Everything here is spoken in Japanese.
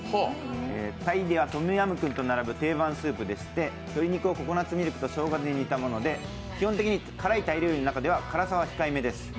タイでは、トムヤムクンと並ぶ定番スープでして鶏肉をココナッツミルクとしょうがで煮たものでして、基本的に辛いタイ料理の中では辛さは控えめです。